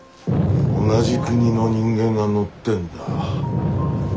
同じ国の人間が乗ってんだ。